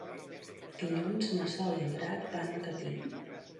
Dilluns na Sol i en Drac van a Catí.